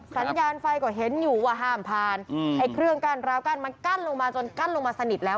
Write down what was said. สัญญาณไฟก็เห็นอยู่ว่าห้ามผ่านไอ้เครื่องกั้นราวกั้นมันกั้นลงมาจนกั้นลงมาสนิทแล้ว